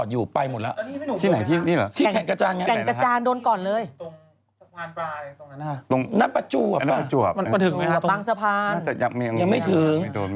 ยังไม่ถึง